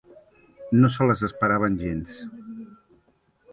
No se l’esperaven gens.